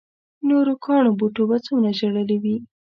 نورو کاڼو بوټو به څومره ژړلي وي.